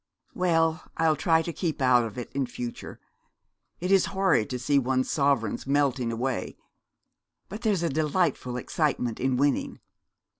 'Well, I'll try to keep out of it in future. It is horrid to see one's sovereigns melting away; but there's a delightful excitement in winning.'